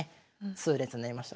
痛烈になりました。